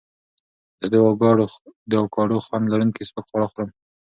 زه د اوکاډو خوند لرونکي سپک خواړه خوړم.